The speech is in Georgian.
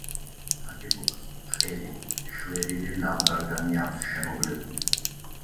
ნაგებობას ბრტყელი, შვერილი ლავგარდანი აქვს შემოვლებული.